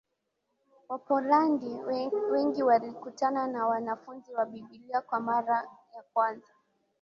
Wapolandi wengi walikutana na Wanafunzi wa Biblia kwa mara ya kwanza